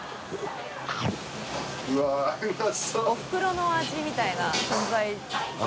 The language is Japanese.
おふくろの味みたいな存在。